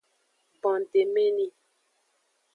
Bondemeni.